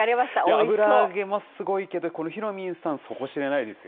油揚げもすごいけど、このひろみんさん、底知れないですよ。